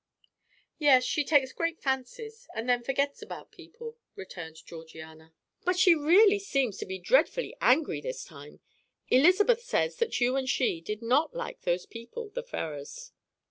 "Yes, she takes great fancies, and then forgets about people," returned Georgiana, "but she really seems to be dreadfully angry this time. Elizabeth says that you and she did not like those people, the Ferrars."